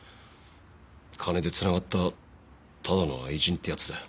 金で繋がったただの愛人ってやつだよ。